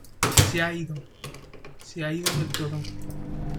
¡ Se ha ido! Se ha ido del todo.